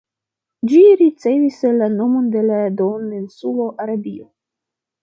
Ĝi ricevis la nomon de la duoninsulo Arabio.